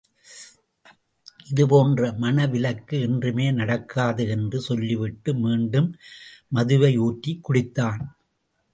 இது போன்ற மணவிலக்கு என்றுமே நடக்காது! என்று சொல்லிவிட்டு மீண்டும் மதுவையூற்றிக் குடித்தான்.